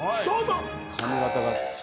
どうぞ。